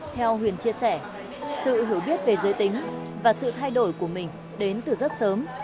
theo huyền chia sẻ sự hiểu biết về giới tính và sự thay đổi của mình đến từ rất sớm